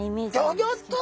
ギョギョッと！